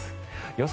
予想